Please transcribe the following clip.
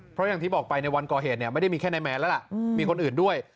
เพราะอย่างที่บอกไปในวันก่อเหตุเนี่ยไม่ได้มีแค่นายแมนแล้วล่ะมีคนอื่นด้วย